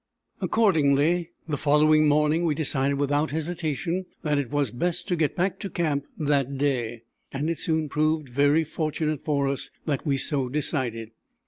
Accordingly, the following morning we decided without hesitation that it was best to get back to camp that day, and it soon proved very fortunate for us that we so decided.